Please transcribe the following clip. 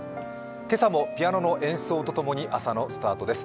今朝もピアノの演奏と共に朝のスタートです。